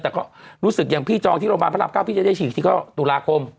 แต่ก็รู้สึกอย่างพี่จองที่โรงพยาบาลพระราม๙พี่จะได้ฉีดที่๙ตุลาคม